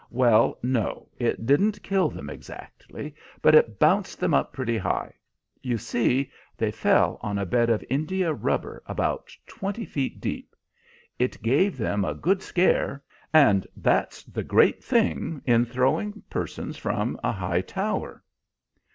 "Well, no, it didn't kill them exactly, but it bounced them up pretty high. You see, they fell on a bed of India rubber about twenty feet deep. It gave them a good scare; and that's the great thing in throwing persons from a high tower."